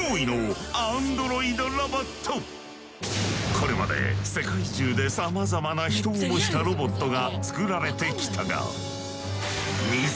これまで世界中でさまざまな人を模したロボットが作られてきたが。